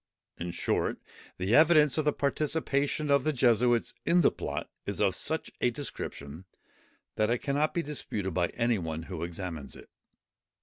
In short, the evidence of the participation of the Jesuits in the plot is of such a description, that it cannot be disputed by any one who examines it.